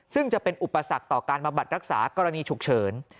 ซึ่งจะเป็นอุปสรรคต่อการมาบัดรักษากรณีฉุกเฉิน